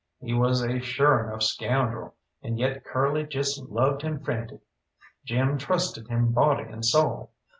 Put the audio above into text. He was a sure enough scoundrel, and yet Curly just loved him frantic. Jim trusted him body and soul.